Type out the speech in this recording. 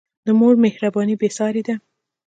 د مور مهرباني بېساری ده.